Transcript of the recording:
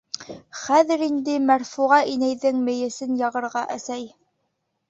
— Хәҙер инде Мәрфуға инәйҙең мейесен яғырға, әсәй.